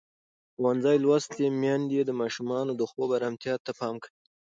ښوونځې لوستې میندې د ماشومانو د خوب ارامتیا ته پام کوي.